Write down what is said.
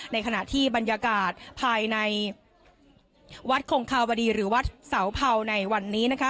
ในขณะที่บรรยากาศภายในวัดคงคาวดีหรือวัดเสาเผาในวันนี้นะคะ